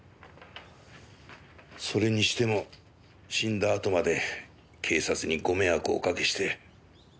それにしても死んだあとまで警察にご迷惑をおかけして。